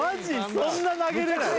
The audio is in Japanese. そんな投げれない？